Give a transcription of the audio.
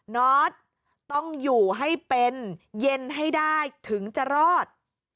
นอทต้องอยู่ให้เป็นเย็นให้ได้ถึงจะรอด